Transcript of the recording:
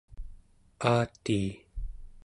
aatii